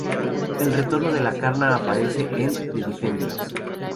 El retorno de la Casta aparece en "The Defenders".